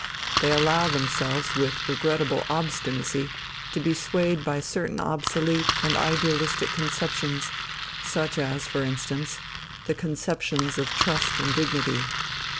They allow themselves with regrettable obstinacy to be swayed by certain obsolete and idealistic conceptions, such as, for instance, the conceptions of trust and dignity.